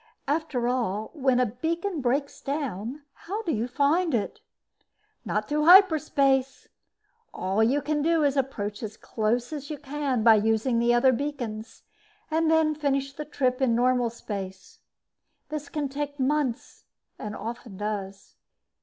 After all, when a beacon breaks down, how do you find it? Not through hyperspace. All you can do is approach as close as you can by using other beacons, then finish the trip in normal space. This can take months, and often does.